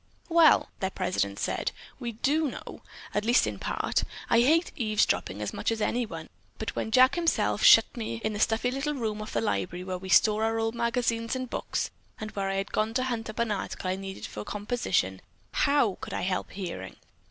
"Well," their president said, "we do know, at least in part. I hate eavesdropping just as much as anyone, but when Jack himself shut me in the stuffy little room off the library where we store our old magazines and books, and where I had gone to hunt up an article I needed for a composition, how could I help hearing?